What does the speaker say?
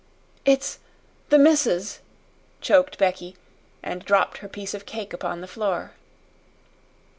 "It's the missus!" choked Becky, and dropped her piece of cake upon the floor.